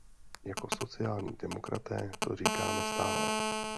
Jako sociální demokraté to říkáme stále.